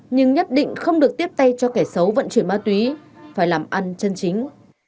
nhưng nhất định không được tiếp tay cho kẻ xấu vận chuyển ma túy phải làm ăn chân chính